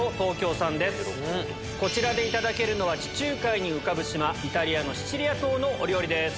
こちらでいただけるのは地中海に浮かぶ島イタリアのシチリア島のお料理です。